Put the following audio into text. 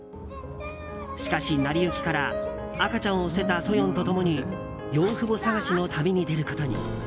しかし成り行きから赤ちゃんを捨てたソヨンと共に養父母捜しの旅に出ることに。